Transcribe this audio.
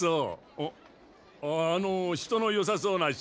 あっあの人のよさそうな人。